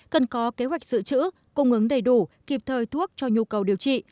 cần có kế hoạch dự trữ cung ứng đầy đủ kịp thời thuốc cho nhu cầu điều trị